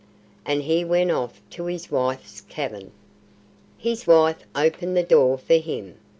And he went off to his wife's cabin. His wife opened the door for him.